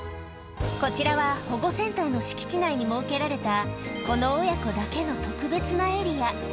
こちらは保護センターの敷地内に設けられた、この親子だけの特別なエリア。